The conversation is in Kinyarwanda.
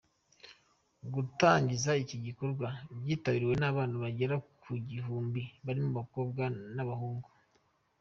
Gutangiza iki gikorwa byitabiriwe n’abana bagera ku gihumbi barimo abakobwa n’abahungu”.